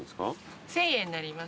１，０００円になります。